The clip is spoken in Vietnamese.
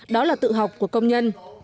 đó là tự học của công nhân